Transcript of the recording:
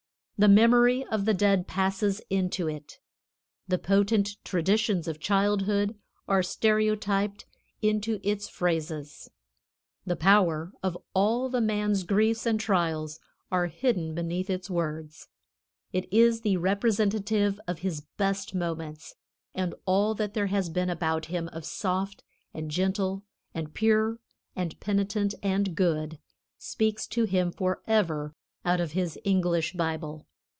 The memory of the dead passes into it. The potent traditions of childhood are stereotyped into its phrases. The power of all the man's griefs and trials are hidden beneath its words. It is the representative of his best moments; and all that there has been about him of soft and gentle and pure and penitent and good, speaks to him forever out of his English Bible.